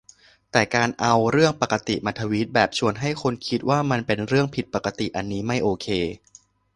แต่การเอา "เรื่องปกติ" มาทวีตแบบชวนให้คนคิดว่ามันเป็นเรื่องผิดปกติ อันนี้ไม่โอเค